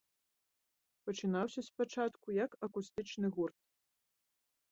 Пачынаўся спачатку, як акустычны гурт.